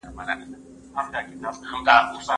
دا سفر اوږد دی خو پیل شوی.